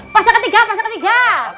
pasok ketiga pasok ketiga